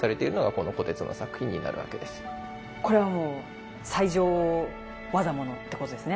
これはもう最上業物ってことですね。